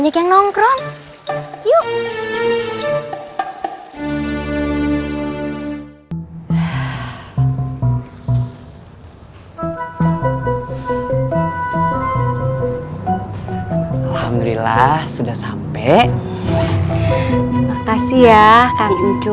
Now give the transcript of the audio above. kamar juga belum febri rapiin